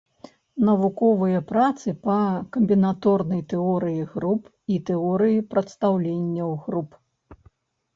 Навуковыя працы па камбінаторнай тэорыі груп і тэорыі прадстаўленняў груп.